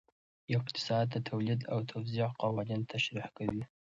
اقتصاد د تولید او توزیع قوانین تشریح کوي.